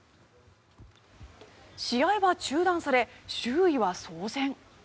試合は中断され周囲は騒然。